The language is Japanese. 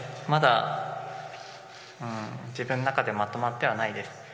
まだ自分の中でまとまってはないです。